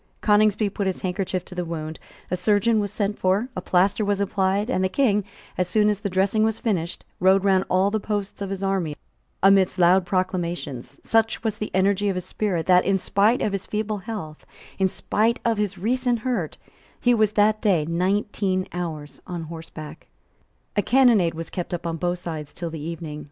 Coningsby put his handkerchief to the wound: a surgeon was sent for: a plaster was applied; and the King, as soon as the dressing was finished, rode round all the posts of his army amidst loud acclamations. Such was the energy of his spirit that, in spite of his feeble health, in spite of his recent hurt, he was that day nineteen hours on horseback, A cannonade was kept up on both sides till the evening.